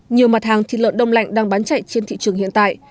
nhiều mặt hàng thịt lợn đông lạnh đang bán chạy trên thị trường hiện tại